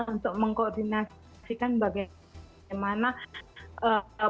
untuk mengkoordinasikan bagaimana pemenuhan